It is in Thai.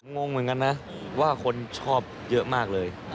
งงเหมือนกันนะว่าคนชอบเยอะมากเลย